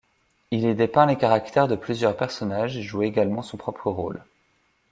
Il y dépeint les caractères de plusieurs personnages et joue également son propre rôle.